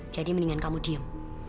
jadi mendingan kamu diem